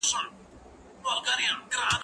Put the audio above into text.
زه اوبه نه پاکوم.